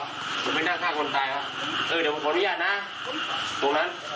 กล่อเหตุไว้เมื่อกลางดึกคืนที่ผ่านมานะครับ